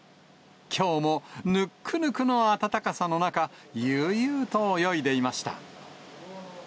きょうもぬっくぬくの暖かさの中、悠々と泳いでいました。